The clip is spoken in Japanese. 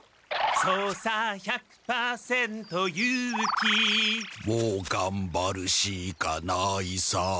「そうさ１００％勇気」「もうがんばるしかないさ」